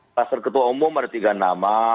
kluster ketua umum ada tiga nama